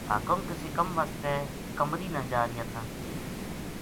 حاکم کِسے کم واسطے قامری نا جا رہیا تھا